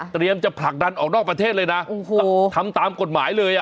เตรียมจะผลักดันออกนอกประเทศเลยนะทำตามกฎหมายเลย